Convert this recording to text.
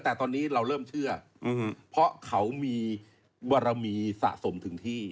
แต่ตอนนี้เราเริ่มเชื่อเพราะเขามีบารมีสะสมถึงที่